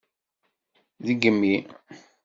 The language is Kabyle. Degmi!